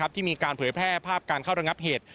ที่มีการเผยแพร่ภาพการเข้าระงับเหตุ